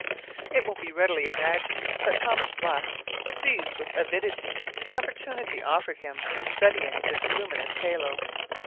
It will readily be imagined that Thomas Black seized with avidity the opportunity offered him of studying this luminous halo.